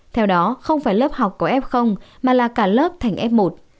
theo đó không phải lớp học có f mà là cả lớp thành f một